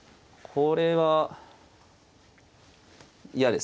これは嫌ですね。